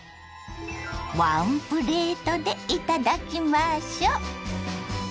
ワンプレートでいただきましょ。